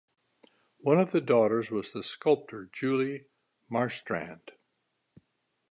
One of the daughters was the sculptor Julie Marstrand.